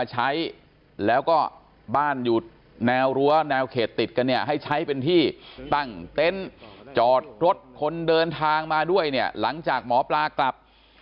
จอดรถคนเดินทางมาด้วยเนี่ยหลังจากหมอปลากลับ